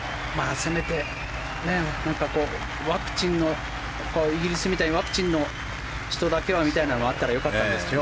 せめて、イギリスみたいにワクチンの人だけはみたいなのがあったらよかったんですけど。